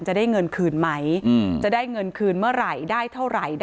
หน้าตาเปลี่ยนไป